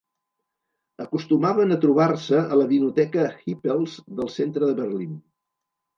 Acostumaven a trobar-se a la vinoteca Hippel's del centre de Berlín.